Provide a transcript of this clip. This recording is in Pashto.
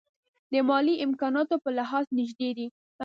د مالي امکاناتو په لحاظ نژدې دي.